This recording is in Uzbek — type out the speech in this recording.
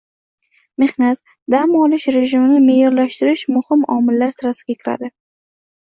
Mehnat, dam olish rejimini me’yorlashtirish muhim omillar sirasiga kiradi.